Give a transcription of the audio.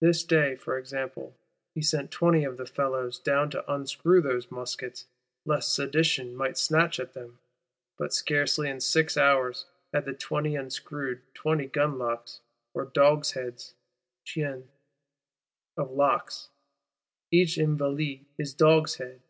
This day, for example, he sent twenty of the fellows down to unscrew those muskets; lest Sedition might snatch at them; but scarcely, in six hours, had the twenty unscrewed twenty gun locks, or dogsheads (chiens) of locks,—each Invalide his dogshead!